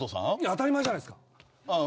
当たり前じゃないっすか。